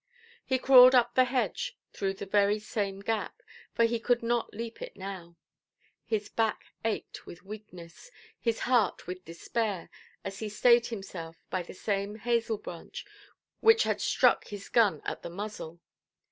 He crawled up the hedge through the very same gap, for he could not leap it now; his back ached with weakness, his heart with despair, as he stayed himself by the same hazel–branch which had struck his gun at the muzzle.